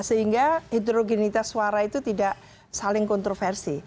sehingga hidrogenitas suara itu tidak saling kontroversi